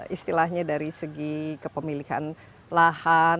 istilahnya dari segi kepemilikan lahan